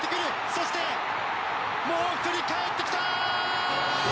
そして、もう１人かえってきた！